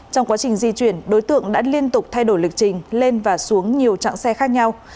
trong quá trình di chuyển đối tượng đã liên tục thay đổi lịch trình lên và xuống nhiều chặng xe khác nhau